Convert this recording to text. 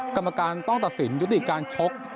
กรรมการต้องตัดสินยุติการชก